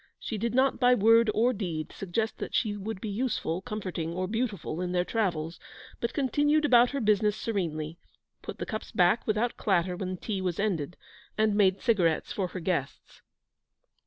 She did not by word or deed suggest that she would be useful, comforting, or beautiful in their travels, but continued about her business serenely: put the cups back without clatter when tea was ended, and made cigarettes for her guests.